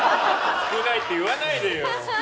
少ないって言わないでよ。